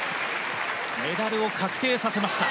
メダルを確定させました。